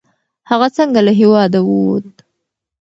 هغه څنګه له هیواده ووت؟